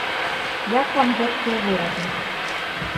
Як вам гэткія вырабы?